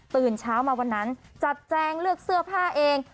ตื่นเช้ามาวันนั้นจัดแจงเลือกเสื้อผ้าเอง